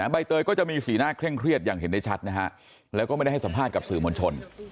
ใบเตยก็จะมีสีหน้าเคร่งเครียดอย่างเห็นได้ชัดนะฮะแล้วก็ไม่ได้ให้สัมภาษณ์กับสื่อมวลชน